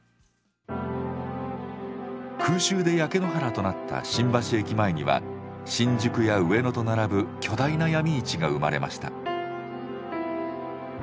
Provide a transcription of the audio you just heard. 空襲で焼け野原となった新橋駅前には新宿や上野と並ぶ巨大な闇市が生まれました。